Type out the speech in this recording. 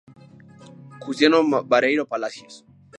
Justiniano Bareiro Palacios.